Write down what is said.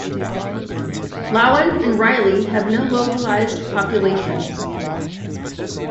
Lawen and Riley have no localised populations.